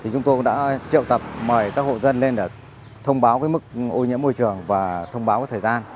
chúng tôi cũng đã triệu tập mời các hộ dân lên để thông báo mức ô nhiễm môi trường và thông báo thời gian